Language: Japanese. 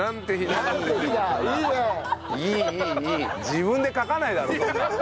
自分で書かないだろそんなの。